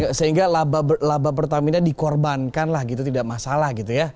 ya sehingga laba pertamina dikorbankan lah gitu tidak masalah gitu ya